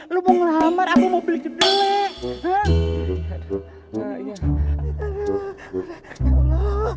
lu mau ngelamar aku mau beli kedelai